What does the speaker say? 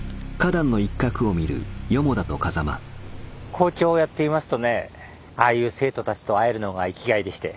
校長をやっていますとねああいう生徒たちと会えるのが生きがいでして。